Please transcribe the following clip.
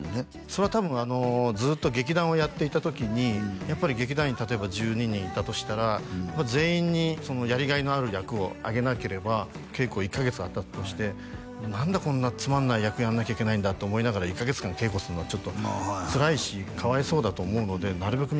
それは多分あのずっと劇団をやっていた時にやっぱり劇団員例えば１２人いたとしたらまあ全員にやり甲斐のある役をあげなければ稽古１カ月あったとして何だこんなつまんない役やんなきゃいけないんだって思いながら１カ月間稽古するのはちょっとつらいしかわいそうだと思うのでなるべく